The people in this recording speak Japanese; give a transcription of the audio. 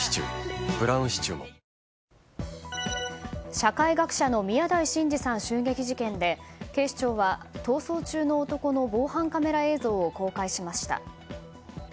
社会学者の宮台真司さん襲撃事件で警視庁は逃走中の男の防犯カメラ映像を公開しました。